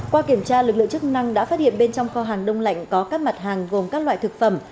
qua kiểm tra lực lượng chức năng đã phát hiện bên trong kho hàng đông lạnh có các mặt hàng gồm các loại thực phẩm